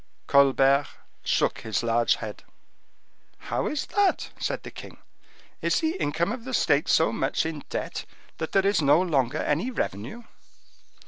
Colbert shook his large head. "How is that?" said the king; "is the income of the state so much in debt that there is no longer any revenue?"